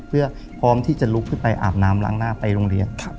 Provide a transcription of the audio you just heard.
เพื่อพร้อมที่จะลุกขึ้นไปอาบน้ำล้างหน้าไปโรงเรียน